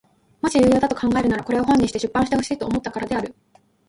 もし有用だと考えるならこれを本にして出版してほしいと思ったからである。